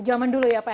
zaman dulu ya pak